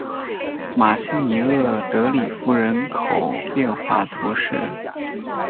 马西尼厄德里夫人口变化图示